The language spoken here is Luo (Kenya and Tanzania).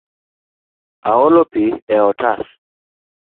Aolo pi e otas